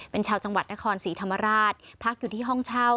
เป็นชาวจังหวัดนครศรีธรรมราชพักอยู่ที่ห้องเช่า